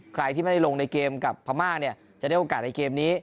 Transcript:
ใครที่ไม่ได้ลงในเกมกับพม่าเนี่ยจะได้โอกาสในเกมนี้